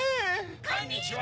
・こんにちは！